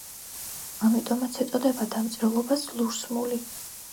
ამიტომაც ეწოდება დამწერლობას ლურსმული.